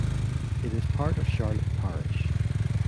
It is part of Charlotte Parish.